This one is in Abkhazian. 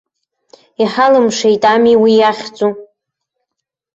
Иҳалымшеит ами уи иахьӡу.